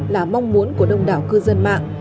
là mong muốn của đông đảo cư dân mạng